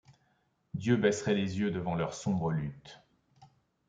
Dieu baisserait les yeux devant leur sombre lutte !